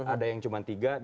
ada yang cuma tiga dua satu